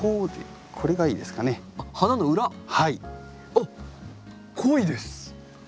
あっ濃いです！